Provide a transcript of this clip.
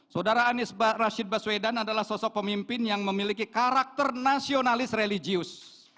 saudara anies rashid baswedan adalah sosok pemimpin yang memiliki karakter nasionalis religius